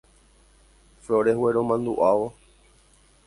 Flores gueromanduʼávo.